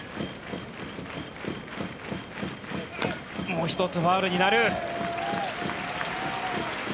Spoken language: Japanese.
もう１つファウルになる。